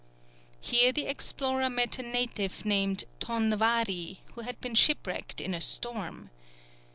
Here the explorer met a native named Ton Wari, who had been shipwrecked in a storm.